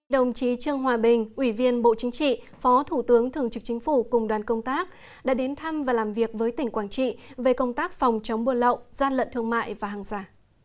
đồng chí trương hòa bình ủy viên bộ chính trị phó thủ tướng thường trực chính phủ cùng đoàn công tác đã đến thăm và làm việc với tỉnh quảng trị về công tác phòng chống buôn lậu gian lận thương mại và hàng giả